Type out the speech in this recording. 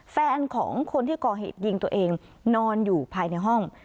แฟนของคนที่ก่อเหตุยิงตัวเองนอนอยู่ภายในห้อง